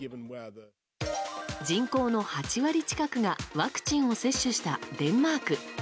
人口の８割近くがワクチンを接種したデンマーク。